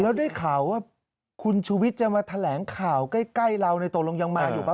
แล้วได้ข่าวว่าคุณชุวิตจะมาแถลงข่าวใกล้เราในตกลงยังมาอยู่ป่